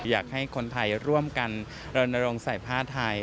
อยากให้คนไทยร่วมกันรณรงค์ใส่ผ้าไทย